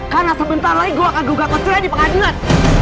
karena sebentar lagi gue akan go go ke cerai di pengadilan